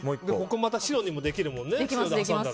また白にもできるもんね。